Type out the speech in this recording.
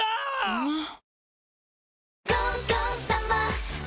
うまっ！！